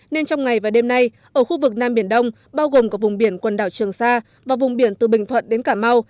nên trong ngày và đêm nay ở khu vực nam biển đông bao gồm cả vùng biển quần đảo trường sa và vùng biển từ bình thuận đến cà mau